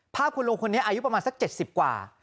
ภาพคุณลุงคนนี้อายุประมาณสัก๗๐กว่า